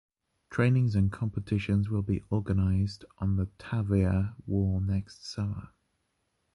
Trainings and competitions will be organized on the Tähvere wall next summer.